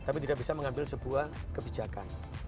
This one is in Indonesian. tapi tidak bisa mengambil sebuah kebijakan